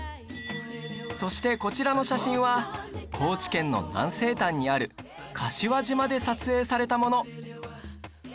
そしてこちらの写真は高知県の南西端にある柏島で撮影されたもの